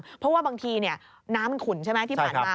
เพราะว่าบางทีน้ำขุนที่ผ่านมา